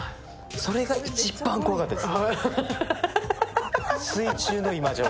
それが一番怖かったです。